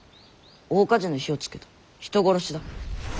大火事の火を付けた人殺しだ。